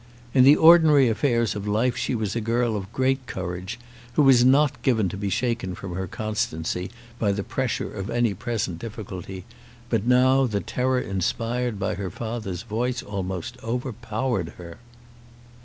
In the ordinary affairs of life she was a girl of great courage, who was not given to be shaken from her constancy by the pressure of any present difficulty; but now the terror inspired by her father's voice almost overpowered her.